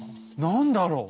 何だろう？